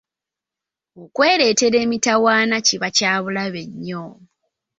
Okwereetera emitawaana kiba kya bulalu nnyo.